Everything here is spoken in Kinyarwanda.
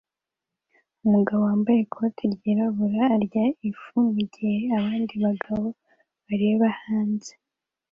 Umugabo wambaye ikote ryirabura arya ifu mugihe abandi bagabo bareba hanze